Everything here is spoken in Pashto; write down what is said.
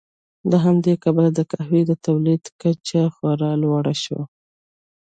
له همدې کبله د قهوې د تولید کچه خورا لوړه شوه.